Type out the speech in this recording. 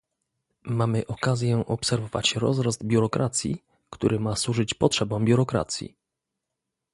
Mamy okazję obserwować rozrost biurokracji, który ma służyć potrzebom biurokracji